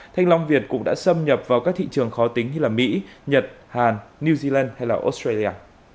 thanh long việt cũng đã xâm nhập vào các thị trường khó tính như mỹ nhật hàn new zealand hay là australia